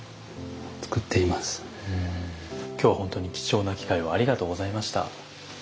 今日は本当に貴重な機会をありがとうございました。